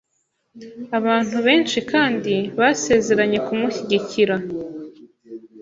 Abantu benshi kandi basezeranye kumushyigikira.